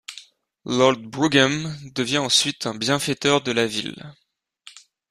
Lord Brougham devient ensuite un bienfaiteur de la ville.